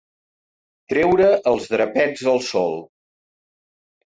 Treure els drapets al sol.